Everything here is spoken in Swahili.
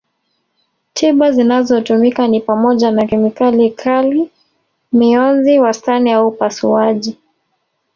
Tiba zinazotumika ni pamoja na kemikali kali mionzi wastani au upasuaji